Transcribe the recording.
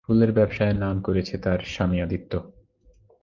ফুলের ব্যবসায়ে নাম করেছে তার স্বামী আদিত্য।